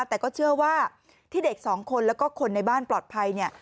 แต่ก็เชื่อว่าที่เด็กสองคนแล้วก็คนในบ้านปลอดภัยเนี่ย